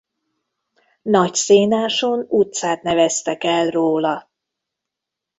Nagyszénáson utcát neveztek el róla.